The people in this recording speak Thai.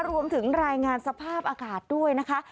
รวมถึงรายงานสภาพอากาศด้วยนะคะ